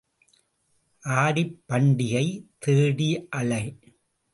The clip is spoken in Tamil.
ஆடிப் பண்டிகை தேடி அழை.